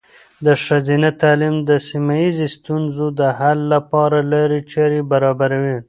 د ښځینه تعلیم د سیمه ایزې ستونزو د حل لپاره لارې چارې برابروي.